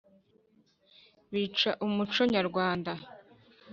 Bica umuco w’abanyarwanda